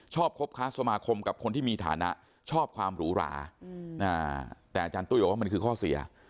คบค้าสมาคมกับคนที่มีฐานะชอบความหรูหราแต่อาจารย์ตุ้ยบอกว่ามันคือข้อเสีย